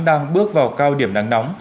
đang bước vào cao điểm nắng nóng